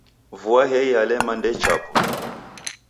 Vua hei yalema ndeichaa putu.